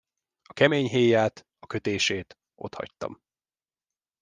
A kemény héját, a kötését, otthagytam.